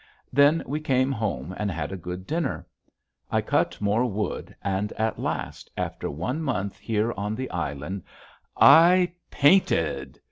Then we came home and had a good dinner. I cut more wood and at last, after one month here on the island, I PAINTED.